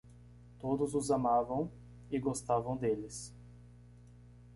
Todos os amavam e gostavam deles.